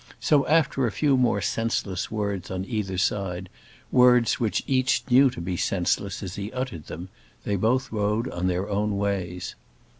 So after a few more senseless words on either side, words which each knew to be senseless as he uttered them, they both rode on their own ways.